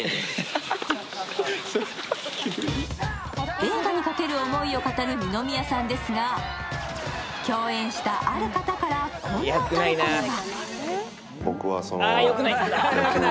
映画にかける思いを語る二宮さんですが、共演したある方からこんなタレコミが。